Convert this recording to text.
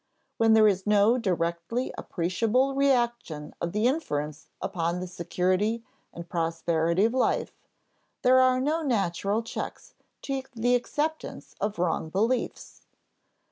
When there is no directly appreciable reaction of the inference upon the security and prosperity of life, there are no natural checks to the acceptance of wrong beliefs.